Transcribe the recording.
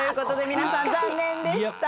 皆さん残念でした。